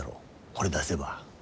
これ出せば。